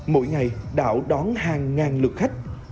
mỗi ngày đảo đón hàng ngàn lượt khách